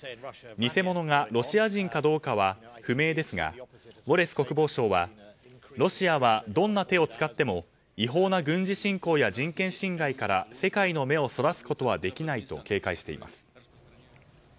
偽物がロシア人かどうかは不明ですがウォレス国防相はロシアはどんな手を使っても違法な軍事侵攻や人権侵害から世界の目をそらすことはできないと警戒しています。